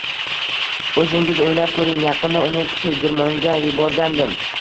Oʻzingiz oʻylab koʻring: yaqinda uni tegirmonga yuborgandim.